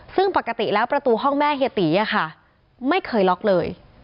ซึ่งปกติแล้วประตูห้องแม่เฮียตีไม่เคยล็อกเลย